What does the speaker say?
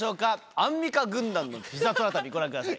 アンミカ軍団のピザトラ旅ご覧ください。